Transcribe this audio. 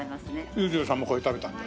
裕次郎さんもこれ食べたんだ。